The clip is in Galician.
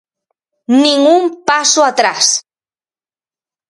Nin un paso atrás!